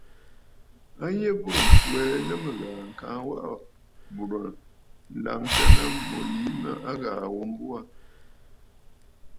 A yî m̀burə̀ m̀fwɛɛ nɨ mɨ̀ghàà kaa waʼà bùrə̀ laŋtə nɨ̂ ŋû yìi a ghàà ghu mbo aà.